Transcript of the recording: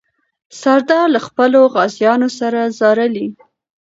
سردار له خپلو غازیانو سره ځارلې.